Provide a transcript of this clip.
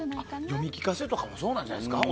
読み聞かせとかもそうなんじゃないですか？